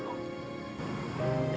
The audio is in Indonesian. terima kasih ya pak